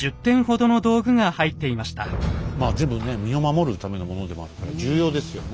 全部身を守るためのものでもあるから重要ですよね。